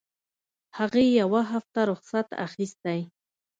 هغې يوه هفته رخصت اخيستى.